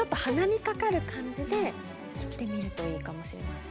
言ってみるといいかもしれません。